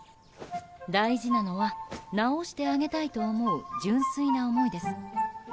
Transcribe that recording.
大事なのは治してあげたいと思う純粋な思いです。